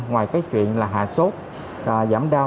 ngoài cái chuyện là hạ sốt giảm đau